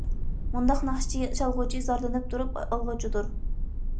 مۇنداق ناخشىچى، چالغۇچى زارلىنىپ تۇرۇپ ئالغۇچىدۇر.